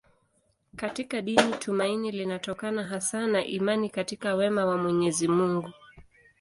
Katika dini tumaini linatokana hasa na imani katika wema wa Mwenyezi Mungu.